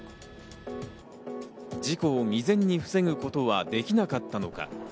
事故を未然に防ぐことはできなかったのか。